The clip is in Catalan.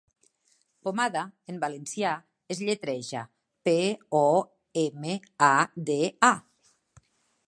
'Pomada' en valencià es lletreja: pe, o, eme, a, de, a.